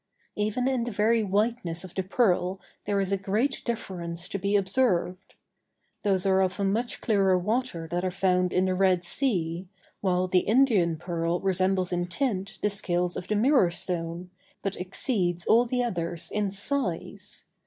Even in the very whiteness of the pearl there is a great difference to be observed. Those are of a much clearer water that are found in the Red Sea, while the Indian pearl resembles in tint the scales of the mirror stone, but exceeds all the others in size.